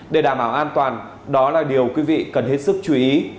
để đảm bảo an toàn đó là điều quý vị cần hết sức chú ý